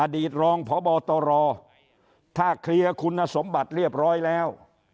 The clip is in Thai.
ตรองพบตรถ้าเคลียร์คุณสมบัติเรียบร้อยแล้ว